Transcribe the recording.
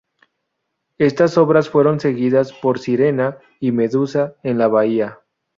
Estas obras fueron seguidas por "Sirena" y "Medusa en la Bahía".